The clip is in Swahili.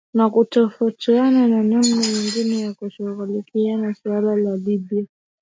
na kutafutana na namna nyingine ya kushughulikia suala la libya